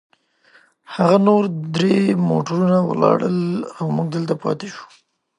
هغه نور درې موټرونه ولاړل، او موږ دلته پاتې شوو.